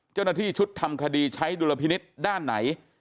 เจ้าหน้าที่ชุดทำคดีใช้ดุลพินิษฐ์ด้านไหน